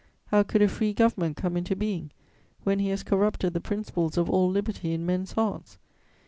How could a free government come into being, when he has corrupted the principles of all liberty in men's hearts?